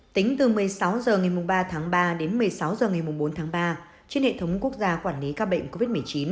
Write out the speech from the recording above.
tính từ một mươi sáu h ngày ba tháng ba đến một mươi sáu h ngày bốn tháng ba trên hệ thống quốc gia quản lý ca bệnh covid một mươi chín